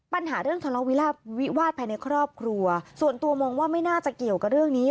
ปัญหาเรื่องทะเลาวิวาสภายในครอบครัวส่วนตัวมองว่าไม่น่าจะเกี่ยวกับเรื่องนี้